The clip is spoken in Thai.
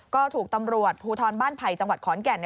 ก็ถูกตำรวจภูทรบ้านไผ่จังหวัดขอนแก่น